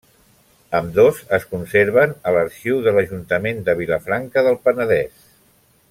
Ambdós es conserven a l'arxiu de l'Ajuntament de Vilafranca del Penedès.